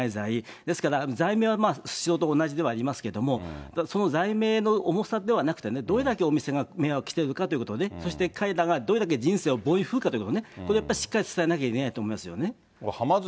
ですから、罪名はスシローと同じではありますけど、その罪名の重さではなくてね、どれだけお店が迷惑してるかということをね、そして彼らがどれだけ人生を棒に振るかということね、これをしっかり伝えなきゃいけないと思いますよね。